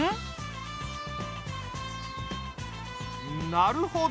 なるほど。